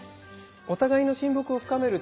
お互いの親睦を深めるために。